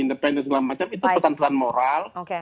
independen segala macam itu pesantelan moral oke